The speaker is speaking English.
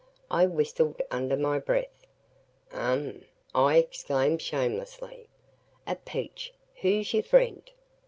I whistled under my breath. "Um!" I exclaimed shamelessly, "A peach! Who's your friend?"